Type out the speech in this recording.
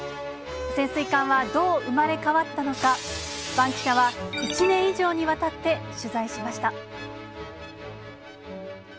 潜水艦はどう生まれ変わったのか、バンキシャは１年以上にわたって取材しました。